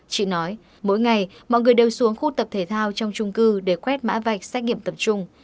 chị nói mỗi ngày mọi người đều xuống khu tập thể thao trong trung cư để quét mã vạch xét nghiệm tập trung